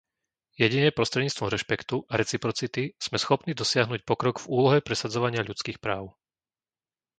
Jedine prostredníctvom rešpektu a reciprocity sme schopní dosiahnuť pokrok v úlohe presadzovania ľudských práv.